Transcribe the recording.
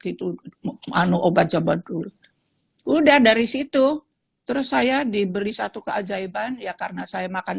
situ anu obat obat dulu udah dari situ terus saya diberi satu keajaiban ya karena saya makan